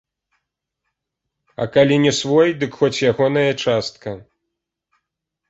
А калі не свой, дык хоць ягоная частка.